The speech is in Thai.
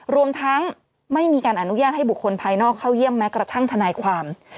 รวมทั้งไม่มีการอนุญาตให้บุคคลภายนอกเข้าเยี่ยมแม้กระทั่งทนายความ